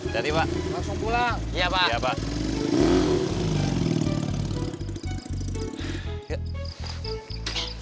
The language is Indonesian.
jadi pak iya pak